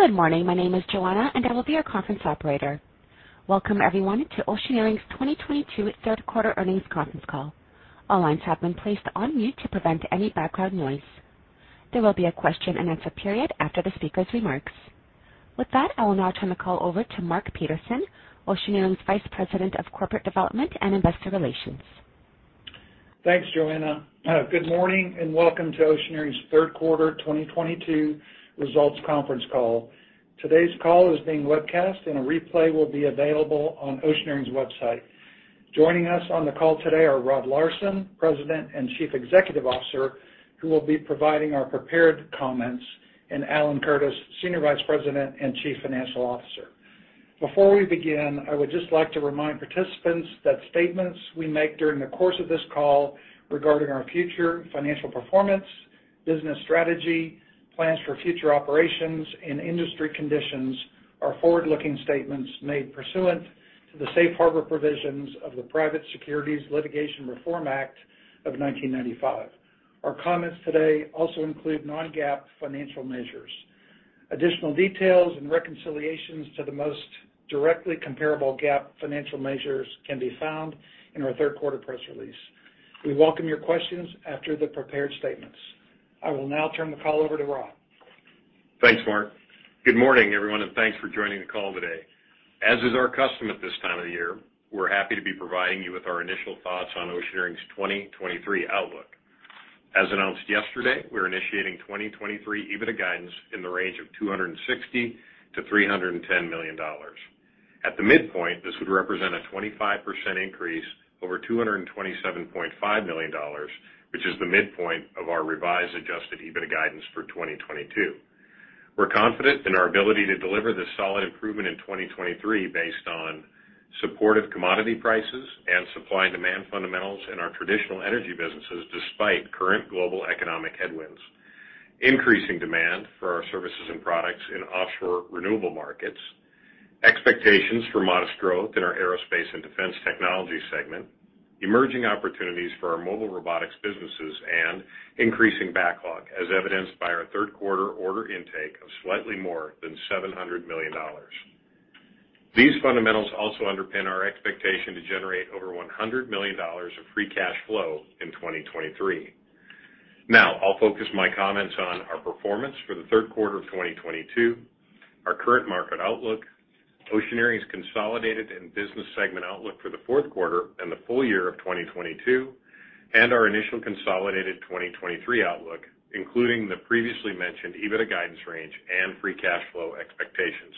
Good morning. My name is Joanna, and I will be your conference operator. Welcome, everyone, to Oceaneering's 2022 third quarter earnings conference call. All lines have been placed on mute to prevent any background noise. There will be a question-and-answer period after the speaker's remarks. With that, I will now turn the call over to Mark Peterson, Oceaneering's Vice President of Corporate Development and Investor Relations. Thanks, Joanna. Good morning, and welcome to Oceaneering's third quarter 2022 results conference call. Today's call is being webcast, and a replay will be available on Oceaneering's website. Joining us on the call today are Rod Larson, President and Chief Executive Officer, who will be providing our prepared comments, and Alan Curtis, Senior Vice President and Chief Financial Officer. Before we begin, I would just like to remind participants that statements we make during the course of this call regarding our future financial performance, business strategy, plans for future operations and industry conditions are forward-looking statements made pursuant to the safe harbor provisions of the Private Securities Litigation Reform Act of 1995. Our comments today also include non-GAAP financial measures. Additional details and reconciliations to the most directly comparable GAAP financial measures can be found in our third quarter press release. We welcome your questions after the prepared statements. I will now turn the call over to Rod. Thanks, Mark. Good morning, everyone, and thanks for joining the call today. As is our custom at this time of year, we're happy to be providing you with our initial thoughts on Oceaneering's 2023 outlook. As announced yesterday, we're initiating 2023 EBITDA guidance in the range of $260-$310 million. At the midpoint, this would represent a 25% increase over $227.5 million, which is the midpoint of our revised adjusted EBITDA guidance for 2022. We're confident in our ability to deliver this solid improvement in 2023 based on supportive commodity prices and supply and demand fundamentals in our traditional energy businesses despite current global economic headwinds, increasing demand for our services and products in offshore renewable markets, expectations for modest growth in our Aerospace and Defense Technologies segment, emerging opportunities for our Mobile Robotics business, and increasing backlog as evidenced by our third quarter order intake of slightly more than $700 million. These fundamentals also underpin our expectation to generate over $100 million of free cash flow in 2023. Now, I'll focus my comments on our performance for the third quarter of 2022, our current market outlook, Oceaneering's consolidated and business segment outlook for the fourth quarter and the full year of 2022, and our initial consolidated 2023 outlook, including the previously mentioned EBITDA guidance range and free cash flow expectations.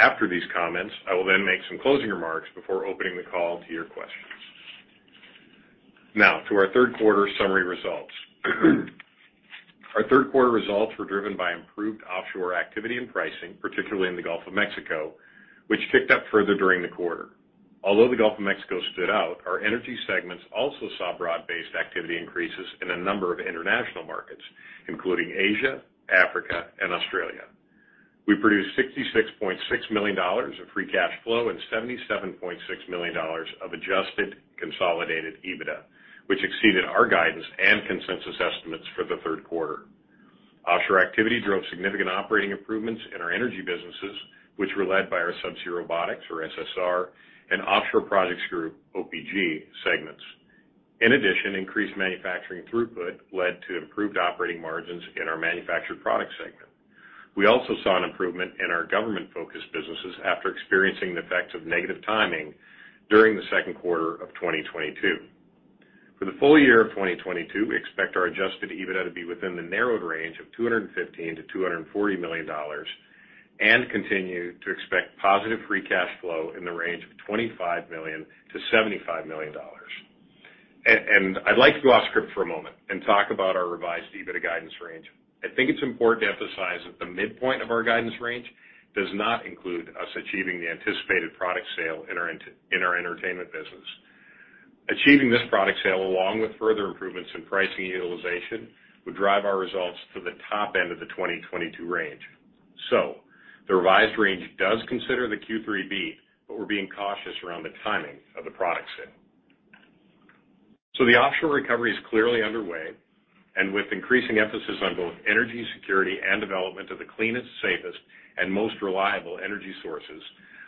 After these comments, I will then make some closing remarks before opening the call to your questions. Now to our third quarter summary results. Our third quarter results were driven by improved offshore activity and pricing, particularly in the Gulf of Mexico, which kicked up further during the quarter. Although the Gulf of Mexico stood out, our energy segments also saw broad-based activity increases in a number of international markets, including Asia, Africa, and Australia. We produced $66.6 million of free cash flow and $77.6 million of adjusted consolidated EBITDA, which exceeded our guidance and consensus estimates for the third quarter. Offshore activity drove significant operating improvements in our energy businesses, which were led by our Subsea Robotics, or SSR, and Offshore Projects Group, OPG, segments. In addition, increased manufacturing throughput led to improved operating margins in our Manufactured Products segment. We also saw an improvement in our government-focused businesses after experiencing the effects of negative timing during the second quarter of 2022. For the full year of 2022, we expect our adjusted EBITDA to be within the narrowed range of $215 million-$240 million and continue to expect positive free cash flow in the range of $25 million-$75 million. I'd like to go off script for a moment and talk about our revised EBITDA guidance range. I think it's important to emphasize that the midpoint of our guidance range does not include us achieving the anticipated product sale in our entertainment business. Achieving this product sale, along with further improvements in pricing utilization, would drive our results to the top end of the 2022 range. The revised range does consider the Q3 beat, but we're being cautious around the timing of the product sale. The offshore recovery is clearly underway, and with increasing emphasis on both energy security and development of the cleanest, safest, and most reliable energy sources,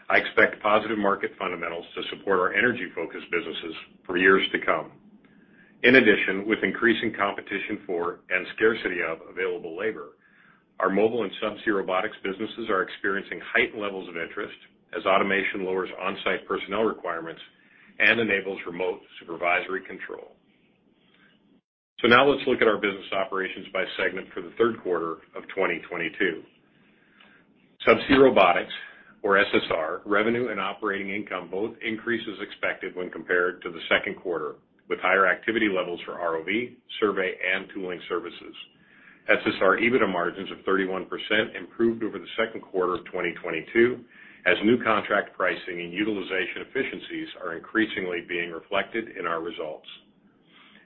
I expect positive market fundamentals to support our energy-focused businesses for years to come. In addition, with increasing competition for and scarcity of available labor, our mobile and subsea robotics businesses are experiencing heightened levels of interest as automation lowers on-site personnel requirements and enables remote supervisory control. Now let's look at our business operations by segment for the third quarter of 2022. Subsea Robotics, or SSR, revenue and operating income both increased as expected when compared to the second quarter, with higher activity levels for ROV, survey, and tooling services. SSR EBITDA margins of 31% improved over the second quarter of 2022 as new contract pricing and utilization efficiencies are increasingly being reflected in our results.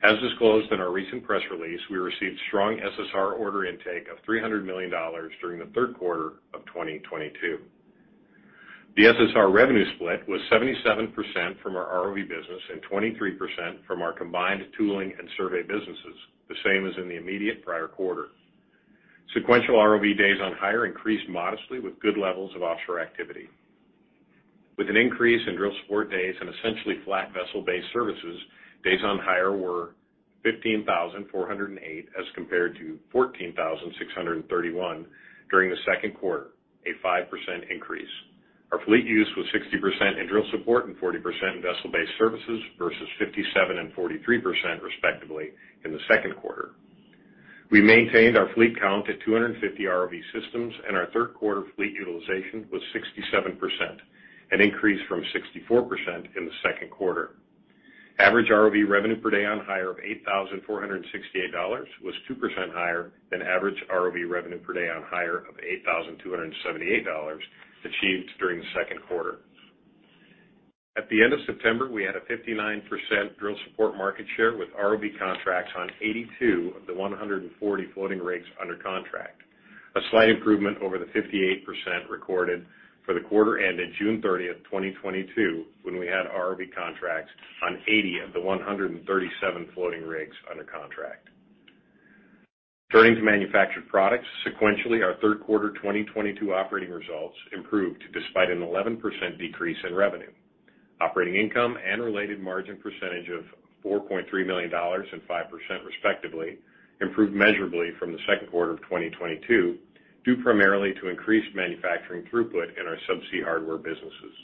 As disclosed in our recent press release, we received strong SSR order intake of $300 million during the third quarter of 2022. The SSR revenue split was 77% from our ROV business and 23% from our combined tooling and survey businesses, the same as in the immediate prior quarter. Sequential ROV days on hire increased modestly with good levels of offshore activity. With an increase in drill support days and essentially flat vessel-based services, days on hire were 15,408 as compared to 14,631 during the second quarter, a 5% increase. Our fleet use was 60% in drill support and 40% in vessel-based services versus 57% and 43% respectively in the second quarter. We maintained our fleet count at 250 ROV systems, and our third quarter fleet utilization was 67%, an increase from 64% in the second quarter. Average ROV revenue per day on hire of $8,468 was 2% higher than average ROV revenue per day on hire of $8,278 achieved during the second quarter. At the end of September, we had a 59% drill support market share with ROV contracts on 82 of the 140 floating rigs under contract, a slight improvement over the 58% recorded for the quarter ending June 30th, 2022, when we had ROV contracts on 80 of the 137 floating rigs under contract. Turning to Manufactured Products, sequentially, our third quarter 2022 operating results improved despite an 11% decrease in revenue. Operating income and related margin percentage of $4.3 million and 5% respectively improved measurably from the second quarter of 2022, due primarily to increased manufacturing throughput in our subsea hardware businesses.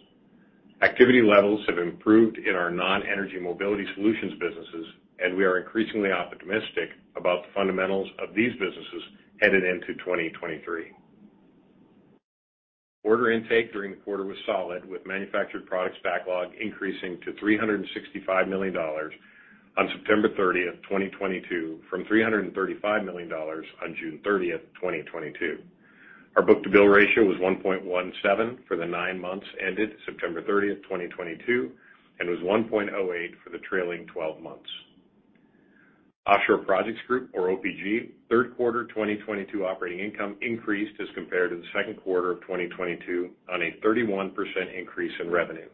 Activity levels have improved in our non-energy mobility solutions businesses, and we are increasingly optimistic about the fundamentals of these businesses headed into 2023. Order intake during the quarter was solid, with Manufactured Products backlog increasing to $365 million on September 30, 2022, from $335 million on June 30, 2022. Our book-to-bill ratio was 1.17 for the nine months ended September 30, 2022, and was 1.08 for the trailing twelve months. Offshore Projects Group, or OPG, third quarter 2022 operating income increased as compared to the second quarter of 2022 on a 31% increase in revenue.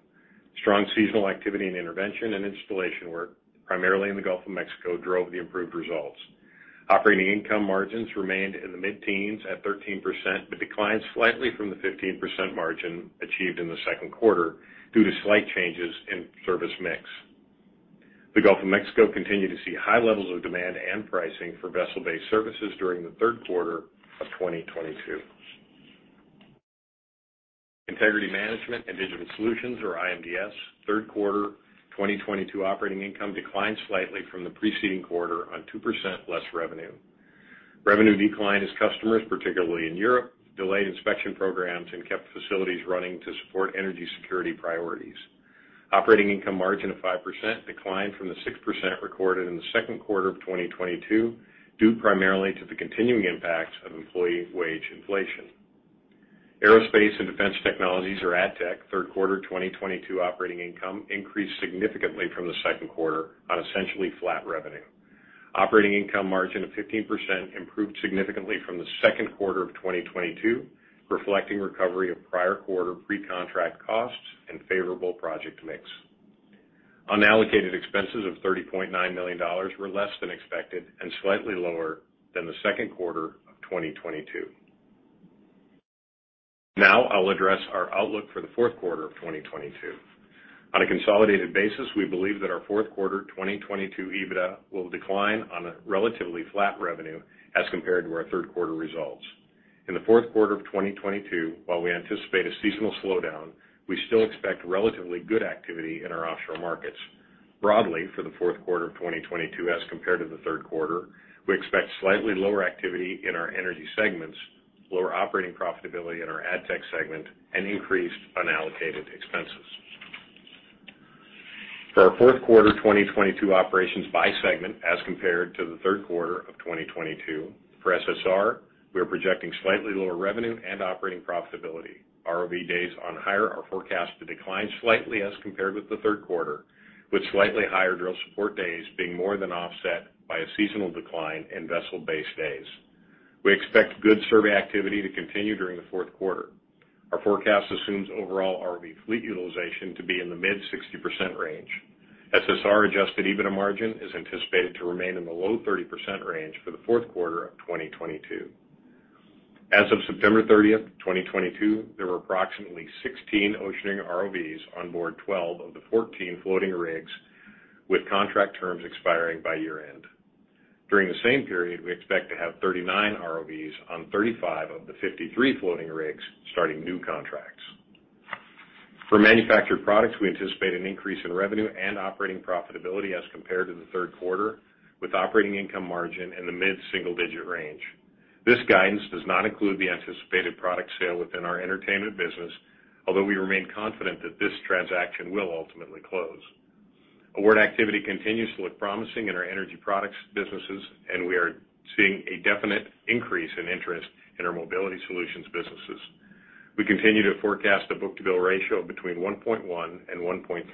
Strong seasonal activity and intervention and installation work, primarily in the Gulf of Mexico, drove the improved results. Operating income margins remained in the mid-teens at 13%, but declined slightly from the 15% margin achieved in the second quarter due to slight changes in service mix. The Gulf of Mexico continued to see high levels of demand and pricing for vessel-based services during the third quarter of 2022. Integrity Management and Digital Solutions, or IMDS, third quarter 2022 operating income declined slightly from the preceding quarter on 2% less revenue. Revenue declined as customers, particularly in Europe, delayed inspection programs and kept facilities running to support energy security priorities. Operating income margin of 5% declined from the 6% recorded in the second quarter of 2022, due primarily to the continuing impact of employee wage inflation. Aerospace and Defense Technologies, or AdTech, third quarter 2022 operating income increased significantly from the second quarter on essentially flat revenue. Operating income margin of 15% improved significantly from the second quarter of 2022, reflecting recovery of prior quarter pre-contract costs and favorable project mix. Unallocated expenses of $30.9 million were less than expected and slightly lower than the second quarter of 2022. Now I'll address our outlook for the fourth quarter of 2022. On a consolidated basis, we believe that our fourth quarter 2022 EBITDA will decline on a relatively flat revenue as compared to our third quarter results. In the fourth quarter of 2022, while we anticipate a seasonal slowdown, we still expect relatively good activity in our offshore markets. Broadly, for the fourth quarter of 2022 as compared to the third quarter, we expect slightly lower activity in our energy segments, lower operating profitability in our AdTech segment, and increased unallocated expenses. For our fourth quarter 2022 operations by segment as compared to the third quarter of 2022, for SSR, we are projecting slightly lower revenue and operating profitability. ROV days on hire are forecast to decline slightly as compared with the third quarter, with slightly higher drill support days being more than offset by a seasonal decline in vessel-based days. We expect good survey activity to continue during the fourth quarter. Our forecast assumes overall ROV fleet utilization to be in the mid-60% range. SSR adjusted EBITDA margin is anticipated to remain in the low 30% range for the fourth quarter of 2022. As of September 30, 2022, there were approximately 16 Oceaneering ROVs on board 12 of the 14 floating rigs, with contract terms expiring by year-end. During the same period, we expect to have 39 ROVs on 35 of the 53 floating rigs starting new contracts. For manufactured products, we anticipate an increase in revenue and operating profitability as compared to the third quarter, with operating income margin in the mid-single digit range. This guidance does not include the anticipated product sale within our entertainment business, although we remain confident that this transaction will ultimately close. Award activity continues to look promising in our energy products businesses, and we are seeing a definite increase in interest in our mobility solutions businesses. We continue to forecast a book-to-bill ratio between 1.1 and 1.3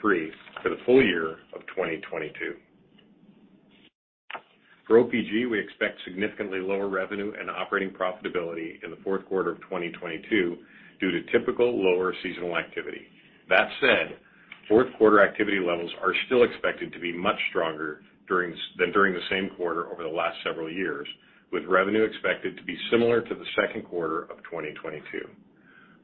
for the full year of 2022. For OPG, we expect significantly lower revenue and operating profitability in the fourth quarter of 2022 due to typical lower seasonal activity. That said, fourth quarter activity levels are still expected to be much stronger than during the same quarter over the last several years, with revenue expected to be similar to the second quarter of 2022.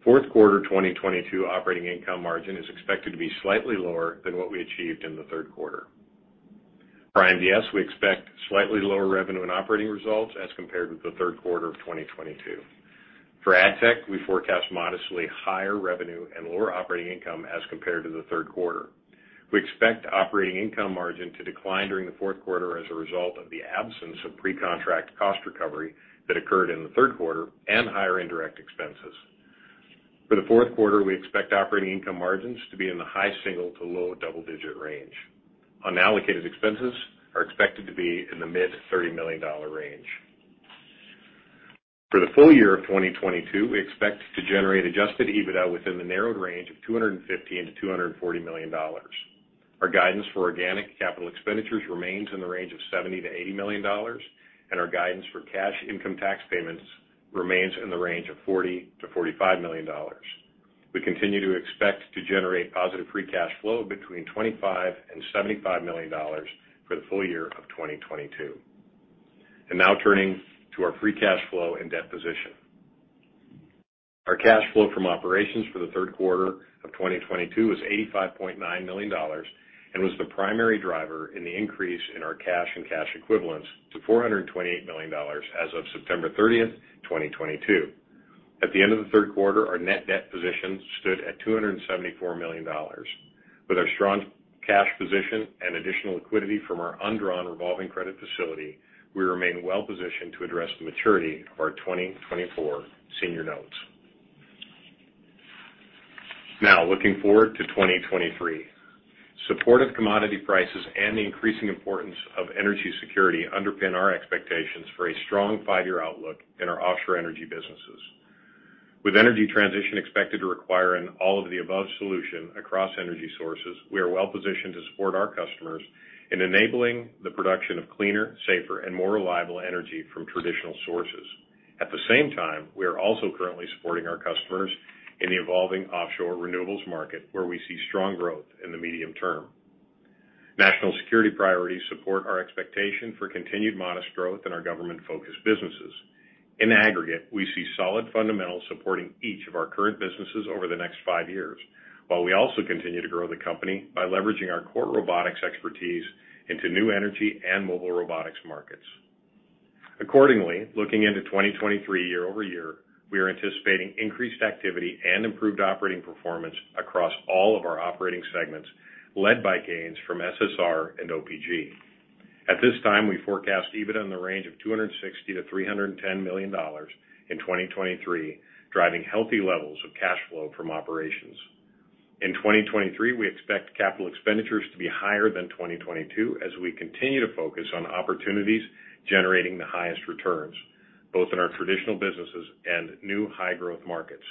Fourth quarter 2022 operating income margin is expected to be slightly lower than what we achieved in the third quarter. For IMDS, we expect slightly lower revenue and operating results as compared with the third quarter of 2022. For AdTech, we forecast modestly higher revenue and lower operating income as compared to the third quarter. We expect operating income margin to decline during the fourth quarter as a result of the absence of pre-contract cost recovery that occurred in the third quarter and higher indirect expenses. For the fourth quarter, we expect operating income margins to be in the high single- to low double-digit range. Unallocated expenses are expected to be in the mid-$30 million range. For the full year of 2022, we expect to generate adjusted EBITDA within the narrowed range of $250 million-$240 million. Our guidance for organic capital expenditures remains in the range of $70 million-$80 million, and our guidance for cash income tax payments remains in the range of $40 million-$45 million. We continue to expect to generate positive free cash flow between $25 million and $75 million for the full year of 2022. Now turning to our free cash flow and debt position. Our cash flow from operations for the third quarter of 2022 was $85.9 million and was the primary driver in the increase in our cash and cash equivalents to $428 million as of September 30, 2022. At the end of the third quarter, our net debt position stood at $274 million. With our strong cash position and additional liquidity from our undrawn revolving credit facility, we remain well positioned to address the maturity of our 2024 senior notes. Now looking forward to 2023. Supportive commodity prices and the increasing importance of energy security underpin our expectations for a strong five-year outlook in our offshore energy businesses. With energy transition expected to require an all of the above solution across energy sources, we are well positioned to support our customers in enabling the production of cleaner, safer, and more reliable energy from traditional sources. At the same time, we are also currently supporting our customers in the evolving offshore renewables market, where we see strong growth in the medium term. National security priorities support our expectation for continued modest growth in our government-focused businesses. In aggregate, we see solid fundamentals supporting each of our current businesses over the next five years, while we also continue to grow the company by leveraging our core robotics expertise into new energy and mobile robotics markets. Accordingly, looking into 2023 year-over-year, we are anticipating increased activity and improved operating performance across all of our operating segments, led by gains from SSR and OPG. At this time, we forecast EBITDA in the range of $260 million-$310 million in 2023, driving healthy levels of cash flow from operations. In 2023, we expect capital expenditures to be higher than 2022 as we continue to focus on opportunities generating the highest returns, both in our traditional businesses and new high-growth markets.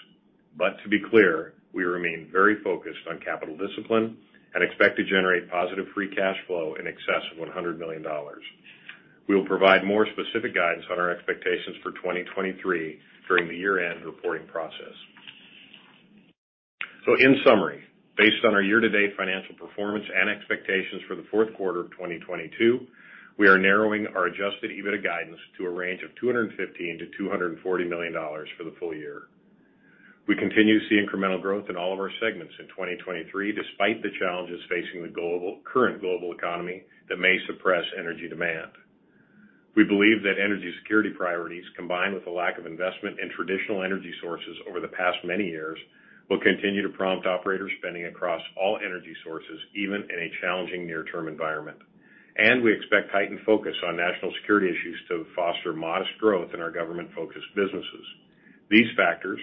To be clear, we remain very focused on capital discipline and expect to generate positive free cash flow in excess of $100 million. We will provide more specific guidance on our expectations for 2023 during the year-end reporting process. In summary, based on our year-to-date financial performance and expectations for the fourth quarter of 2022, we are narrowing our adjusted EBITDA guidance to a range of $215 million-$240 million for the full year. We continue to see incremental growth in all of our segments in 2023, despite the challenges facing the current global economy that may suppress energy demand. We believe that energy security priorities, combined with a lack of investment in traditional energy sources over the past many years, will continue to prompt operator spending across all energy sources, even in a challenging near-term environment. We expect heightened focus on national security issues to foster modest growth in our government-focused businesses. These factors,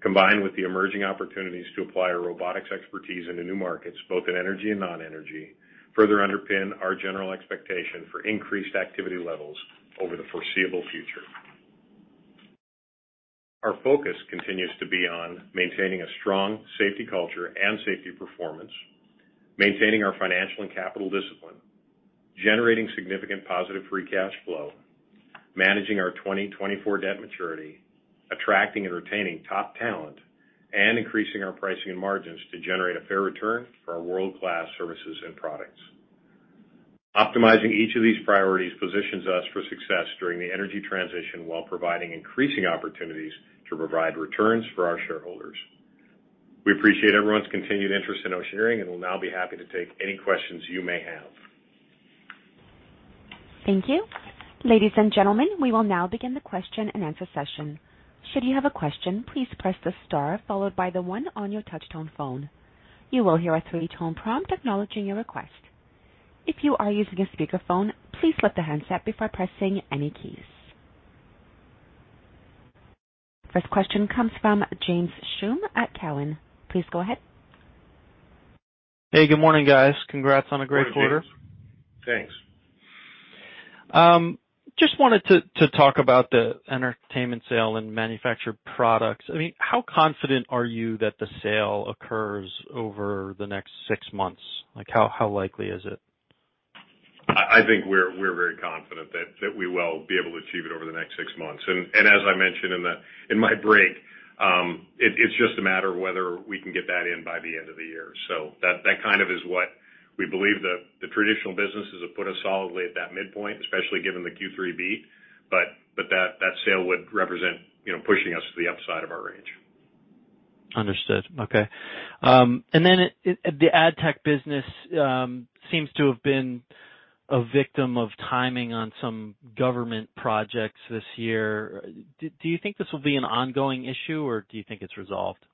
combined with the emerging opportunities to apply our robotics expertise into new markets, both in energy and non-energy, further underpin our general expectation for increased activity levels over the foreseeable future. Our focus continues to be on maintaining a strong safety culture and safety performance, maintaining our financial and capital discipline, generating significant positive free cash flow, managing our 2024 debt maturity, attracting and retaining top talent, and increasing our pricing and margins to generate a fair return for our world-class services and products. Optimizing each of these priorities positions us for success during the energy transition, while providing increasing opportunities to provide returns for our shareholders. We appreciate everyone's continued interest in Oceaneering and will now be happy to take any questions you may have. Thank you. Ladies and gentlemen, we will now begin the question-and-answer session. Should you have a question, please press the star followed by the one on your touch-tone phone. You will hear a three-tone prompt acknowledging your request. If you are using a speakerphone, please lift the handset before pressing any keys. First question comes from James Schumm at Cowen. Please go ahead. Hey, good morning, guys. Congrats on a great quarter. Good morning, James. Thanks. Just wanted to talk about the entertainment sale and manufactured products. I mean, how confident are you that the sale occurs over the next six months? Like, how likely is it? I think we're very confident that we will be able to achieve it over the next six months. As I mentioned in my break, it's just a matter of whether we can get that in by the end of the year. That kind of is what we believe the traditional businesses have put us solidly at that midpoint, especially given the Q3B. That sale would represent, you know, pushing us to the upside of our range. Understood. Okay. The AdTech business seems to have been a victim of timing on some government projects this year. Do you think this will be an ongoing issue, or do you think it's resolved?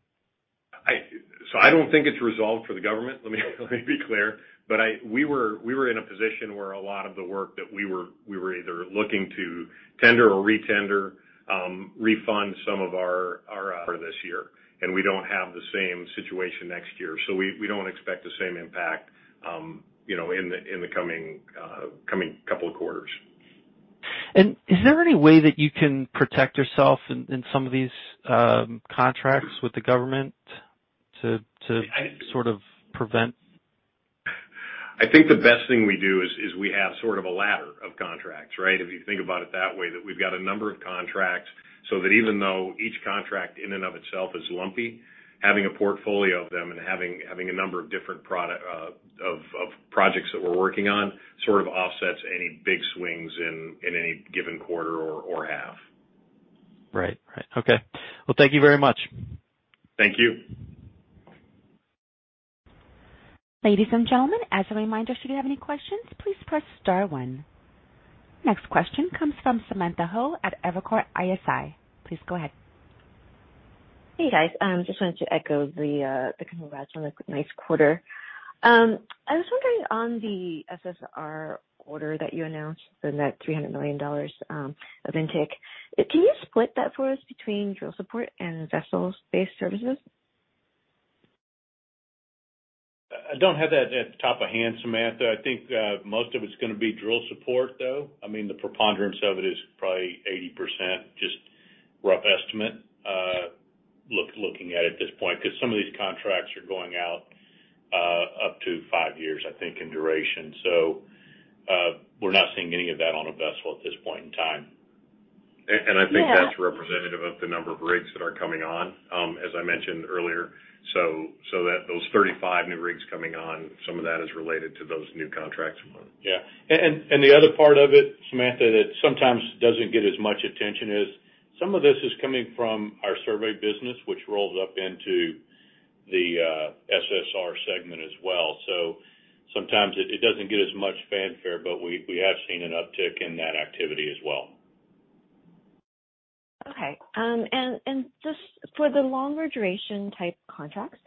I don't think it's resolved for the government, let me be clear. We were in a position where a lot of the work that we were either looking to tender or retender, refund some of our for this year. We don't have the same situation next year. We don't expect the same impact, you know, in the coming couple of quarters. Is there any way that you can protect yourself in some of these contracts with the government to sort of prevent? I think the best thing we do is we have sort of a ladder of contracts, right? If you think about it that way, that we've got a number of contracts, so that even though each contract in and of itself is lumpy, having a portfolio of them and having a number of different projects that we're working on sort of offsets any big swings in any given quarter or half. Right. Okay. Well, thank you very much. Thank you. Ladies and gentlemen, as a reminder, should you have any questions, please press star one. Next question comes from Samantha Hoh at Evercore ISI. Please go ahead. Hey, guys. Just wanted to echo the congrats on a nice quarter. I was wondering on the SSR order that you announced, the net $300 million of intake. Can you split that for us between drill support and vessels-based services? I don't have that off the top of my head, Samantha. I think most of it's gonna be drill support, though. I mean, the preponderance of it is probably 80%, just rough estimate, looking at it at this point, 'cause some of these contracts are going out up to five years, I think, in duration. We're not seeing any of that on a vessel at this point in time. I think that's representative of the number of rigs that are coming on, as I mentioned earlier. That those 35 new rigs coming on, some of that is related to those new contracts. Yeah. The other part of it, Samantha, that sometimes doesn't get as much attention is some of this is coming from our survey business, which rolls up into the SSR segment as well. Sometimes it doesn't get as much fanfare, but we have seen an uptick in that activity as well. Okay. Just for the longer duration type contracts,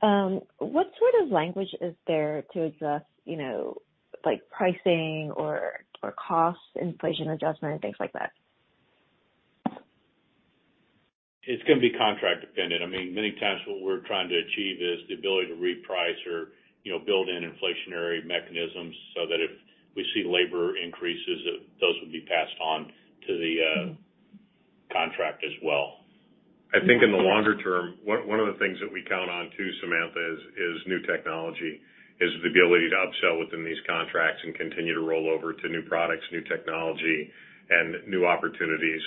what sort of language is there to address, you know, like pricing or cost inflation adjustment, things like that? It's gonna be contract dependent. I mean, many times what we're trying to achieve is the ability to reprice or, you know, build in inflationary mechanisms so that if we see labor increases, those would be passed on to the contract as well. I think in the longer term, one of the things that we count on too, Samantha, is new technology, is the ability to upsell within these contracts and continue to roll over to new products, new technology and new opportunities.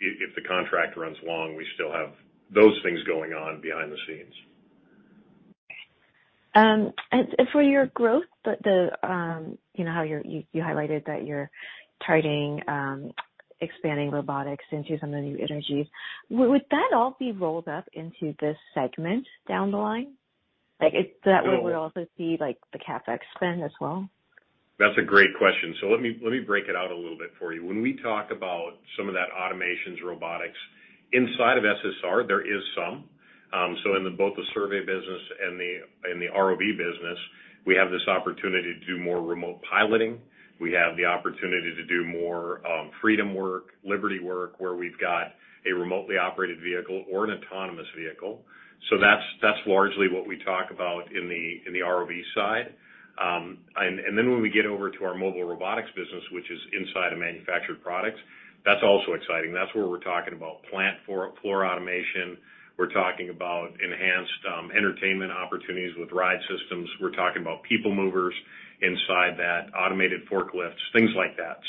If the contract runs long, we still have those things going on behind the scenes. For your growth, you know how you highlighted that you're targeting expanding robotics into some of the new energies. Would that all be rolled up into this segment down the line? Like, that way we'll also see, like, the CapEx spend as well. That's a great question. Let me break it out a little bit for you. When we talk about some of that automations, robotics, inside of SSR, there is some. In both the survey business and the ROV business, we have this opportunity to do more remote piloting. We have the opportunity to do more, Freedom work, Liberty work, where we've got a remotely operated vehicle or an autonomous vehicle. That's largely what we talk about in the ROV side. When we get over to our Mobile Robotics business, which is inside of Manufactured Products, that's also exciting. That's where we're talking about plant floor automation. We're talking about enhanced, entertainment opportunities with ride systems. We're talking about people movers inside that, automated forklifts, things like that.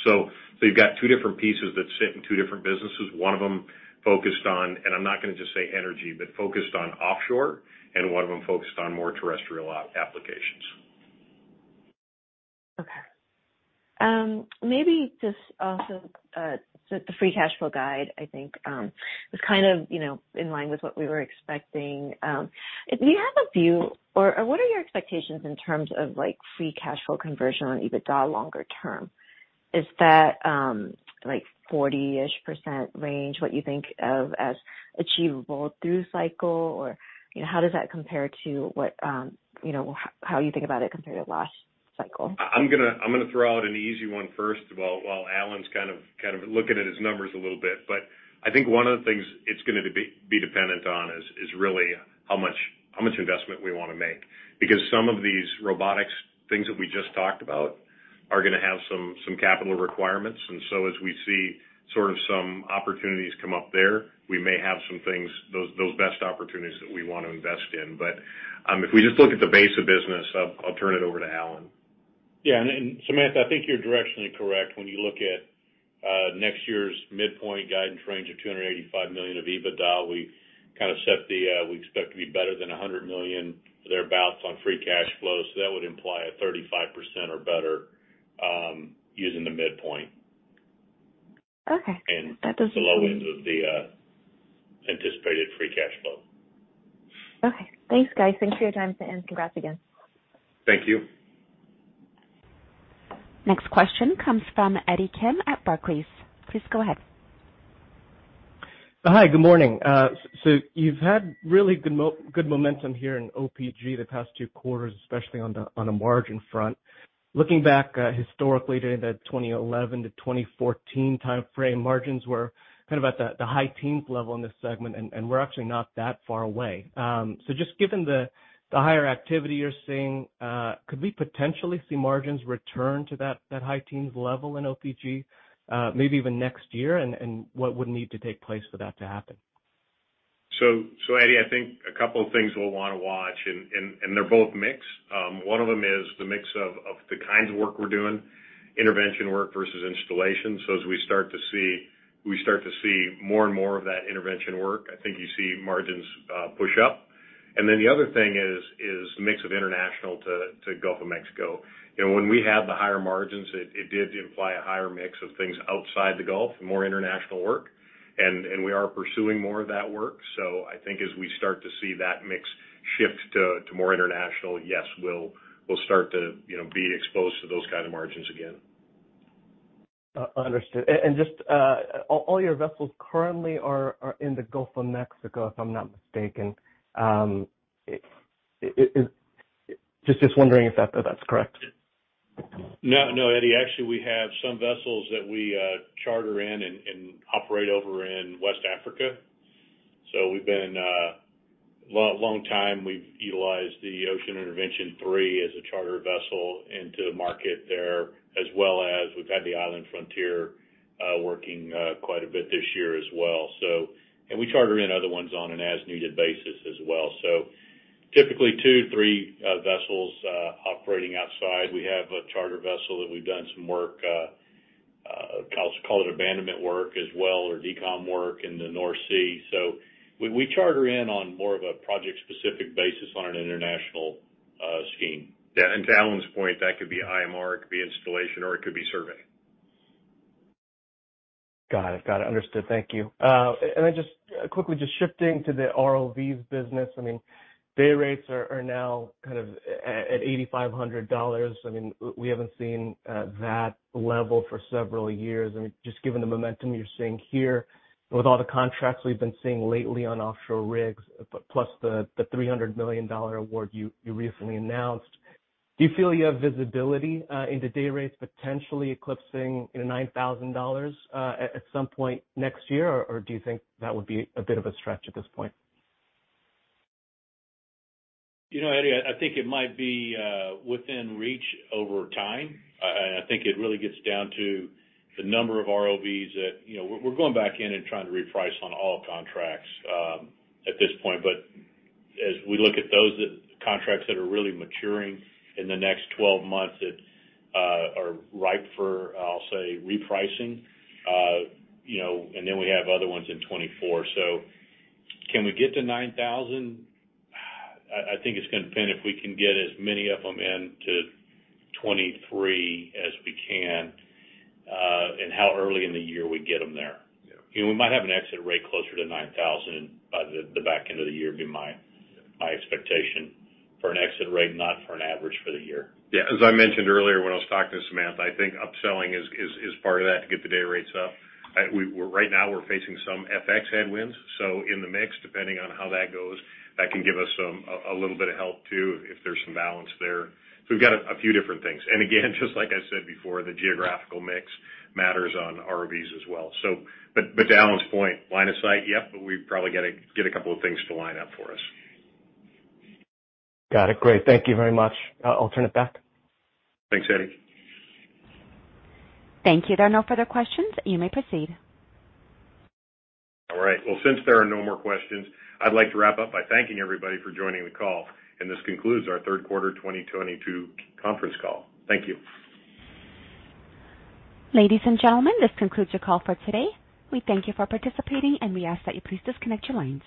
You've got two different pieces that sit in two different businesses, one of them focused on, and I'm not gonna just say energy, but focused on offshore, and one of them focused on more terrestrial op applications. Okay. Maybe just also, the free cash flow guide, I think, was kind of, you know, in line with what we were expecting. Do you have a view or what are your expectations in terms of, like, free cash flow conversion on EBITDA longer term? Is that, like 40-ish% range what you think of as achievable through cycle? Or, you know, how does that compare to what, you know, how you think about it compared to last cycle? I'm gonna throw out an easy one first while Alan's kind of looking at his numbers a little bit. I think one of the things it's gonna be dependent on is really how much investment we wanna make. Because some of these robotics things that we just talked about are gonna have some capital requirements. As we see sort of some opportunities come up there, we may have some things, those best opportunities that we wanna invest in. If we just look at the base of business, I'll turn it over to Alan. Yeah. Samantha, I think you're directionally correct. When you look at next year's midpoint guidance range of $285 million of EBITDA, we expect to be better than $100 million or thereabouts on free cash flow. That would imply 35% or better using the midpoint. Okay. The low end of the anticipated free cash flow. Okay. Thanks, guys. Thanks for your time, and congrats again. Thank you. Next question comes from Eddie Kim at Barclays. Please go ahead. Hi, good morning. You've had really good momentum here in OPG the past two quarters, especially on the margin front. Looking back historically to the 2011 to 2014 timeframe, margins were kind of at the high teens level in this segment, we're actually not that far away. Just given the higher activity you're seeing, could we potentially see margins return to that high teens level in OPG, maybe even next year? What would need to take place for that to happen? Eddie, I think a couple of things we'll wanna watch, and they're both mix. One of them is the mix of the kinds of work we're doing, intervention work versus installation. As we start to see more and more of that intervention work, I think you see margins push up. Then the other thing is the mix of international to Gulf of Mexico. You know, when we have the higher margins, it did imply a higher mix of things outside the Gulf, more international work, and we are pursuing more of that work. I think as we start to see that mix shift to more international, yes, we'll start to, you know, be exposed to those kind of margins again. Understood. Just all your vessels currently are in the Gulf of Mexico, if I'm not mistaken. Just wondering if that's correct? No, Eddie, actually, we have some vessels that we charter in and operate over in West Africa. We've been a long time, we've utilized the Ocean Intervention III as a charter vessel into the market there, as well as we've had the Island Frontier working quite a bit this year as well. We charter in other ones on an as-needed basis as well. Typically two, three vessels operating outside. We have a charter vessel that we've done some work. I'll call it abandonment work as well or decom work in the North Sea. We charter in on more of a project-specific basis on an international scheme. Yeah. To Alan's point, that could be IMR, it could be installation, or it could be survey. Got it. Understood. Thank you. Then just quickly shifting to the ROVs business. I mean, day rates are now kind of at $8,500. I mean, we haven't seen that level for several years. I mean, just given the momentum you're seeing here with all the contracts we've been seeing lately on offshore rigs, plus the $300 million award you recently announced, do you feel you have visibility in the day rates potentially eclipsing, you know, $9,000 at some point next year? Or do you think that would be a bit of a stretch at this point? You know, Eddie, I think it might be within reach over time. I think it really gets down to the number of ROVs that, you know, we're going back in and trying to reprice on all contracts at this point. As we look at those contracts that are really maturing in the next 12 months that are ripe for, I'll say, repricing, you know, and then we have other ones in 2024. Can we get to $9,000? I think it's gonna depend if we can get as many of them into 2023 as we can and how early in the year we get them there. Yeah. You know, we might have an exit rate closer to $9,000 by the back end of the year, be my expectation. For an exit rate, not for an average for the year. Yeah. As I mentioned earlier when I was talking to Samantha, I think upselling is part of that to get the day rates up. Right now we're facing some FX headwinds, so in the mix, depending on how that goes, that can give us some a little bit of help too, if there's some balance there. We've got a few different things. Again, just like I said before, the geographical mix matters on ROVs as well. But to Alan's point, line of sight, yep, but we probably got to get a couple of things to line up for us. Got it. Great. Thank you very much. I'll turn it back. Thanks, Eddie. Thank you. There are no further questions. You may proceed. All right. Well, since there are no more questions, I'd like to wrap up by thanking everybody for joining the call, and this concludes our third quarter 2022 conference call. Thank you. Ladies and gentlemen, this concludes your call for today. We thank you for participating, and we ask that you please disconnect your lines.